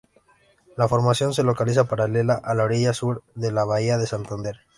La formación se localiza paralela a la orilla sur de la bahía de Santander.